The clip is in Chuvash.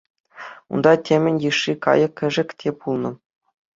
Унта темӗн йышши кайӑк-кӗшӗк те пулнӑ.